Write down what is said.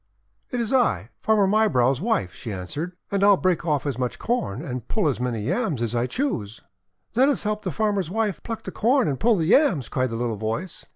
" 'T is I, Farmer Mybrow's wife," she an swered. "And I'll break off as much Corn and pull as many Yams as I choose." "Let us help the farmer's wife pluck the Corn and pull the Yams!" cried the little voice.